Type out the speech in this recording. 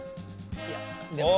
いやでも。